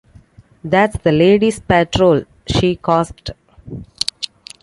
"That's the laddies' patrol," she gasped.